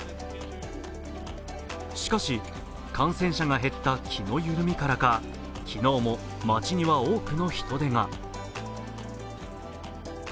しかし、感染者が減った気の緩みからか、昨日も街には多くの人出が。